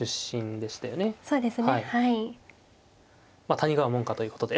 谷川門下ということで。